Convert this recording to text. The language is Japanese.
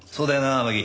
天樹。